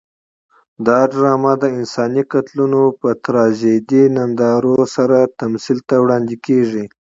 دا ډرامه د انساني قتلونو په تراژیدي نندارو سره تمثیل ته وړاندې کېږي.